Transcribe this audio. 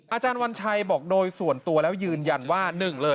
อาจารย์วัญชัยบอกโดยส่วนตัวแล้วยืนยันว่า